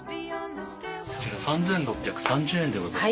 ３６３０円でございます。